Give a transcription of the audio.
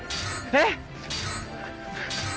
えっ！